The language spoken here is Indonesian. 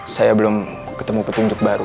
saya belum ketemu petunjuk baru